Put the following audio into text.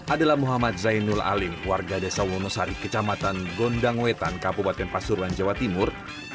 adalah muhammad zainul alim warga desa wonosari kecamatan gondangwetan kabupaten pasuruan jawa timur